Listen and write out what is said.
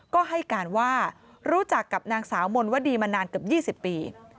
ก็ให้การว่ารู้จักกับนางสาวมนวดีมานานเกือบ๒๐ปี